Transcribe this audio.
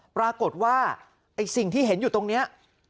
ปรากฏว่าไอ้สิ่งที่เห็นอยู่ตรงนี้